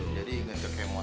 jadi inget ke kemot